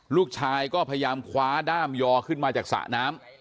ลูกชายก็พยายามคว้าด้ามยอขึ้นมาจากสระน้ำ